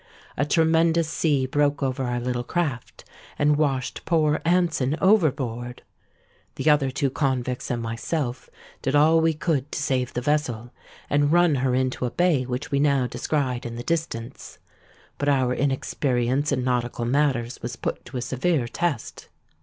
A tremendous sea broke over our little craft, and washed poor Anson over board. The other two convicts and myself did all we could to save the vessel, and run her into a bay which we now descried in the distance; but our inexperience in nautical matters was put to a severe test.